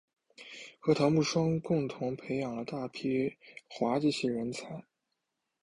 和姚慕双共同培育了大批滑稽戏人才。